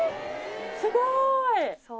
すごーい！